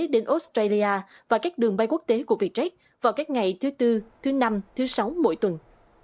đến australia và các đường bay quốc tế của vietjet vào các ngày thứ tư thứ năm thứ sáu mỗi tuần